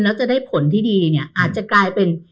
แล้วจะได้ผลที่ดีเนี่ยอาจจะกลายเป็น